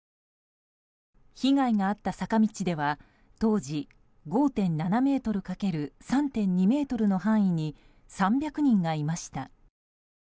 被害があった坂道では当時５．７ｍ×３．２ｍの範囲に３００人がいました。